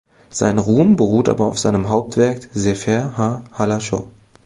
Sein Ruhm beruht aber auf seinem Hauptwerk "Sefer ha-Halachot".